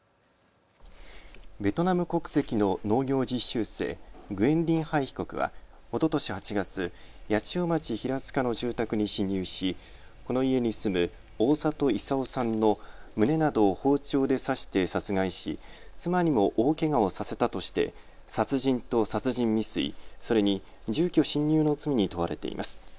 ベトナム国籍の農業実習生、グエン・ディン・ハイ被告はおととし８月、八千代町平塚の住宅に侵入しこの家に住む大里功さんの胸などを包丁で刺して殺害し妻にも大けがをさせたとして殺人と殺人未遂、それに住居侵入の罪に問われています。